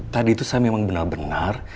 tadi itu saya memang benar benar